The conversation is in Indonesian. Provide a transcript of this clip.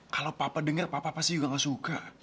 kalau papa dengar papa pasti juga gak suka